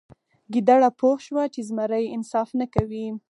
ګیدړه پوه شوه چې زمری انصاف نه کوي.